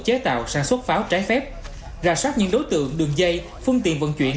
chế tạo sản xuất pháo trái phép ra soát những đối tượng đường dây phương tiện vận chuyển